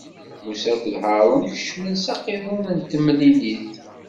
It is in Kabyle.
Musa akked Haṛun kecmen s aqiḍun n temlilit.